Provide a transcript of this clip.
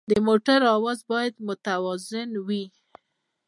د موټر اواز باید متوازن وي.